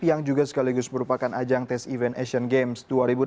yang juga sekaligus merupakan ajang tes event asian games dua ribu delapan belas